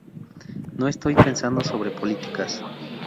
No estoy pensando sobre políticas.